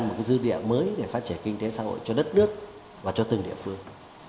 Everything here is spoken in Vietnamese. một cái dư địa mới để phát triển kinh tế xã hội cho đất nước và cho từng địa phương